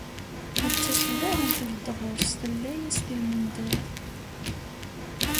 Nettat daɣen tbedd ɣur-s tella-as d lmendad.